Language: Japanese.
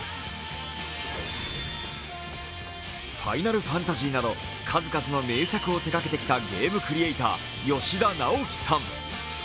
「ファイナルファンタジー」など数々の名作を手がけてきたクリエイターゲームクリエーター、吉田直樹さん